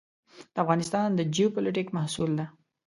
د افغانستان د جیوپولیټیک محصول ده.